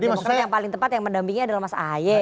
demokra yang paling tepat yang mendampingi adalah mas a haye